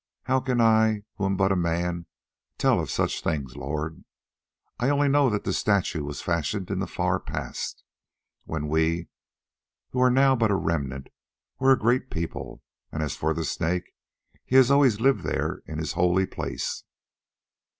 "How can I, who am but a man, tell of such things, lord? I only know that the statue was fashioned in the far past, when we, who are now but a remnant, were a great people; and as for the Snake, he has always lived there in his holy place.